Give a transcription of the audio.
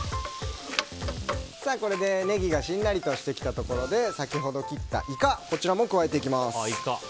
これでネギがしんなりとしてきたところで先ほど切ったイカも加えていきます。